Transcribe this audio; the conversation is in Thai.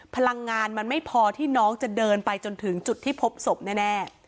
พลังงานมันไม่พอที่น้องจะเดินไปจนถึงจุดที่พบศพแน่